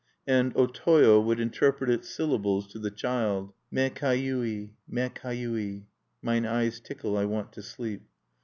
And O Toyo would interpret its syllables to the child: Me kayui! me kayui! "Mine eyes tickle; I want to sleep."